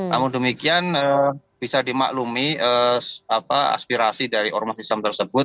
namun demikian bisa dimaklumi aspirasi dari ormas islam tersebut